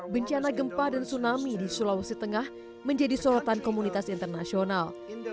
bencana gempa dan tsunami di sulawesi tengah menjadi sorotan komunitas internasional